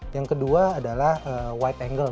yang kedua adalah white angle